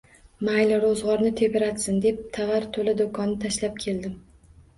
Mayli ro`zg`orni tebratsin deb tavar to`la do`konni tashlab keldim